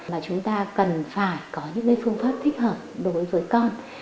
mà chúng ta cần phải có những phương pháp thích hợp đối với con